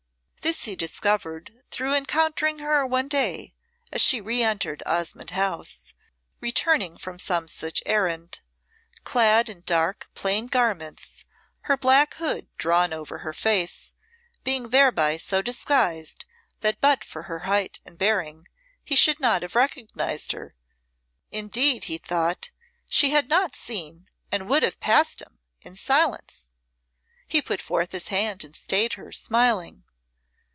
This he discovered through encountering her one day as she re entered Osmonde House, returning from some such errand, clad in dark, plain garments, her black hood drawn over her face, being thereby so disguised that but for her height and bearing he should not have recognised her indeed, he thought, she had not seen and would have passed him in silence. He put forth his hand and stayed her, smiling.